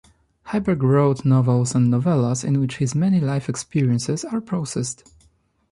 Heiberg wrote novels and novellas in which his many life experiences are processed.